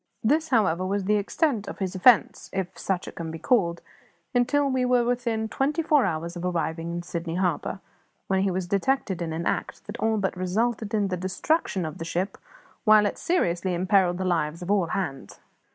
This, however, was the extent of his offence if such it can be called until we were within twenty four hours of arriving in Sydney Harbour, when he was detected in an act that all but resulted in the destruction of the ship, while it seriously imperilled the lives of all hands.